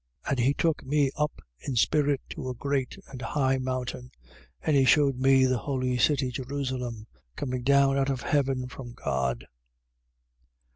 21:10. And he took me up in spirit to a great and high mountain: and he shewed me the holy city Jerusalem, coming down out of heaven from God, 21:11.